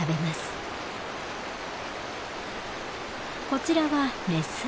こちらはメス。